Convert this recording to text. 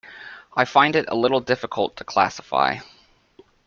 I find it a little difficult to classify.